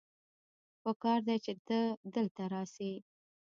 پکار دی چې ته دلته راسې